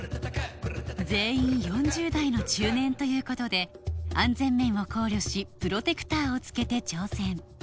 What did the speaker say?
全員４０代の中年ということで安全面を考慮しプロテクターを着けて挑戦